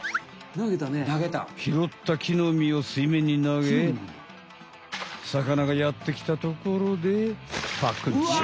ひろった木の実を水面に投げ魚がやってきたところでパックンチョ！